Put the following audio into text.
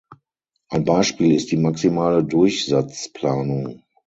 Ein Beispiel ist die maximale Durchsatzplanung.